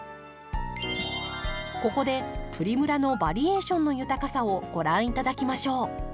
ここでプリムラのバリエーションの豊かさをご覧頂きましょう。